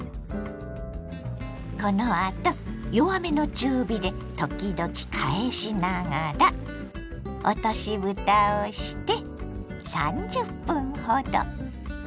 このあと弱めの中火で時々返しながら落としぶたをして３０分ほど。